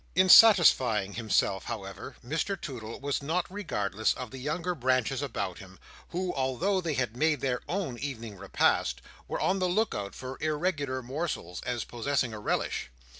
In satisfying himself, however, Mr Toodle was not regardless of the younger branches about him, who, although they had made their own evening repast, were on the look out for irregular morsels, as possessing a relish.